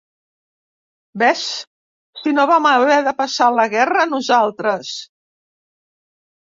Ves si no vam haver de passar la guerra, nosaltres!